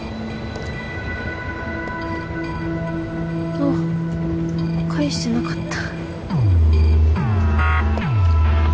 あっ返してなかった。